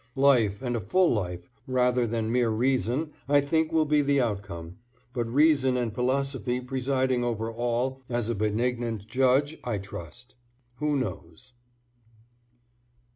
Life and a full life rather than mere reason I think will be the outcome, but reason and philosophy presiding over all as a benignant judge I trust. Who knows?